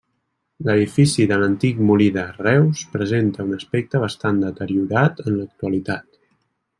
L'edifici de l'antic molí de Reus presenta un aspecte bastant deteriorat en l'actualitat.